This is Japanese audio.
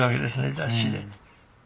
雑誌で。